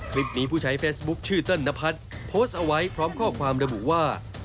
คลิปนี้ผู้ใช้เฟซบุ๊คชื่อเติ้ลนพัฒน์โพสต์เอาไว้พร้อมข้อความระบุว่า